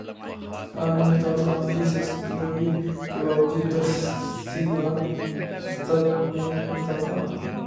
عالمی سطح پر معاشی سست روی کے باوجود ترسیلات زر میں اضافہ